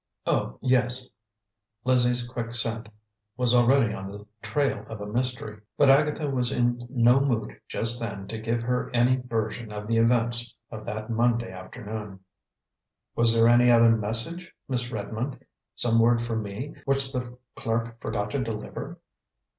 "Oh, yes." Lizzie's quick scent was already on the trail of a mystery, but Agatha was in no mood just then to give her any version of the events of that Monday afternoon. "Was there any other message, Miss Redmond? Some word for me, which the clerk forgot to deliver?"